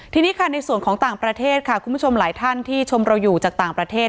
ทีนี้ค่ะในส่วนของต่างประเทศค่ะคุณผู้ชมหลายท่านที่ชมเราอยู่จากต่างประเทศ